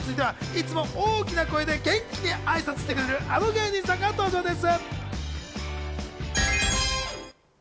いつも大きな声で元気に挨拶してくれるあの芸人さんが登場です。